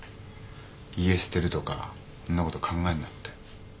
家捨てるとかそんなこと考えるなって。